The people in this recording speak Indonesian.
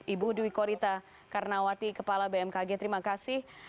ibu dwi korita karnawati kepala bmkg terima kasih